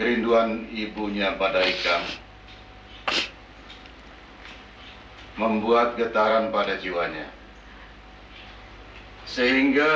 tidak bisa tidur lagi setelahnya